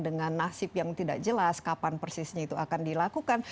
dengan nasib yang tidak jelas kapan persisnya itu akan dilakukan